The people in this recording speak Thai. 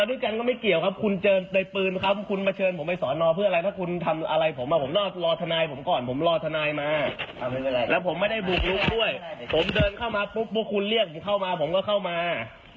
ได้บุกลุกด้วยผมเดินเข้ามาปุ๊บปุ๊บคุณเรียกผมเข้ามาผมก็เข้ามา